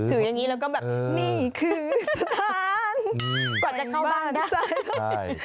ถือยังงี้แล้วก็แบบนี่คือสถานก่อนจะเข้าบ้านได้